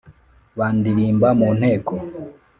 bandirimba mu nteko